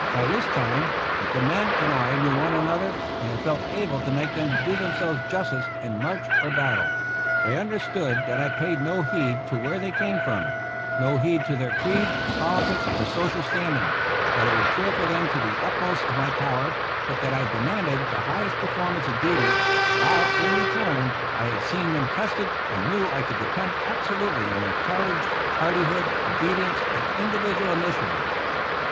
By this time the men and I knew one another, and I felt able to make them do them selves justice in march or battle. They under stood that I paid no heed to where they came 109 THE ROUGH RIDERS from; no heed to their creed, politics, or social standing; that I would care for them to the utmost of my power, but that I demanded the highest performance of duty; while in return I had seen them tested, and knew I could depend absolutely on their courage, hardihood, obedience, and individual initiative.